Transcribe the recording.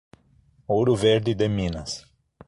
Ouro Verde de Minas